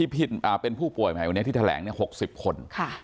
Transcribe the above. เป็นผู้ป่วยใหม่วันนี้ที่แถลง๖๐คน